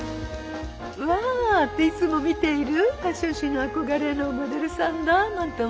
うわっていつも見ているファッション誌の憧れのモデルさんだなんて思って。